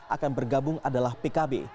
akan bergabung adalah pkb